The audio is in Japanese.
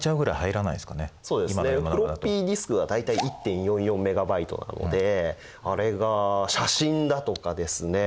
フロッピーディスクは大体１．４４メガバイトなのであれが写真だとかですね。